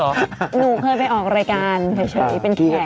หนูเคยไปออกรายการเฉยเป็นแขก